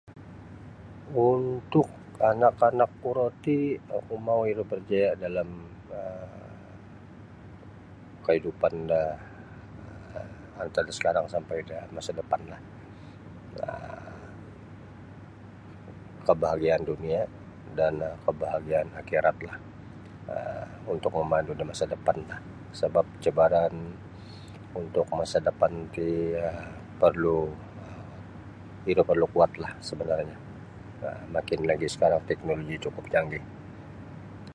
Untuk anak-anakku roti oku mau' iro berjaya' dalam um kaidupan do antad sekarang sampai da masa depanlah um kabahagian dunia' dan kabahagiaan akhiratlah um untuk memandu da masa depan sebab cabaran untuk masa depan ti perlu' iro perlu' kuatlah sebenarnyo makin lagi ' sekarang ti teknoloji cukup canggih.